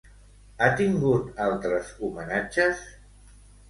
Ha tingut altres homenatges?